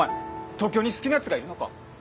東京に好きなヤツがいるのか？